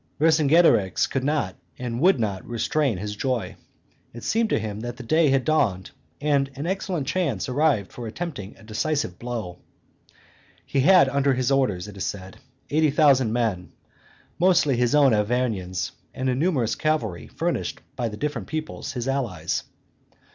Vercingetorix could not and would not restrain his joy; it seemed to him that the day had dawned and an excellent chance arrived for attempting a decisive blow. He had under his orders, it is said, eighty thousand men, mostly his own Arvernians, and a numerous cavalry furnished by the different peoplets his allies.